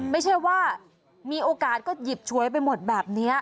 ไม่ใช่ว่ามีโอกาสก็หยิบฉวยไปหมดแบบนี้